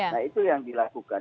nah itu yang dilakukan